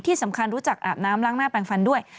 ที่สำคัญรู้จักอาบน้ำล้างหน้าแปลงฟันด้วย